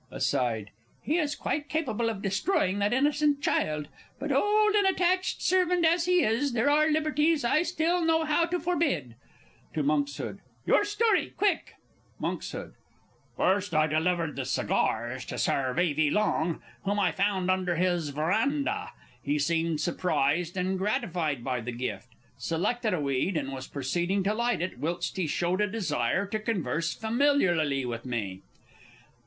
(Aside.) He is quite capable of destroying that innocent child; but old and attached servant as he is, there are liberties I still know how to forbid. (To M.) Your story quick! Monks. First, I delivered the cigars to Sir Vevey Long, whom I found under his verandah. He seemed surprised and gratified by the gift, selected a weed, and was proceeding to light it, whilst he showed a desire to converse familiarly with me.